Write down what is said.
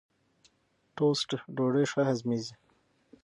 ټوسټ ډوډۍ ښه هضمېږي.